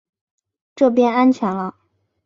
这边安全了